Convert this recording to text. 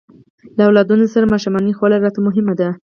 له اولادونو سره ماښامنۍ خوړل راته مهمه ده.